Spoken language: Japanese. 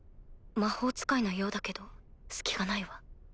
魔法使いのようだけど隙がないわ。